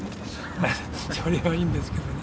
それはいいんですけどね。